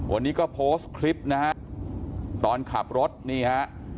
วันนี้ก็โพสต์คลิปนะฮะตอนขับรถนี่ฮะ